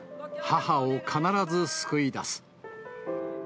母を必ず救い出す。